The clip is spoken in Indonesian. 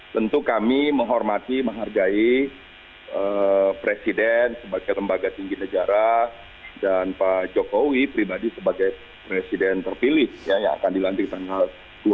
tentu kami menghormati menghargai presiden sebagai lembaga tinggi negara dan pak jokowi pribadi sebagai presiden terpilih yang akan dilantik tanggal dua puluh